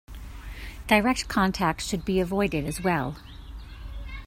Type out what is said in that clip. Direct contact should be avoided as well.